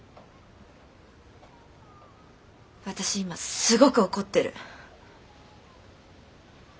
私今すごく怒ってる。